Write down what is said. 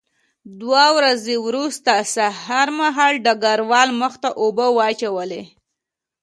دوه ورځې وروسته سهار مهال ډګروال مخ ته اوبه واچولې